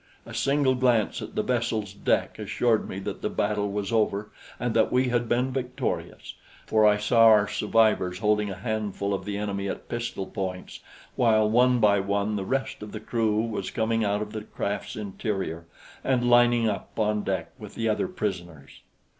A single glance at the vessel's deck assured me that the battle was over and that we had been victorious, for I saw our survivors holding a handful of the enemy at pistol points while one by one the rest of the crew was coming out of the craft's interior and lining up on deck with the other prisoners.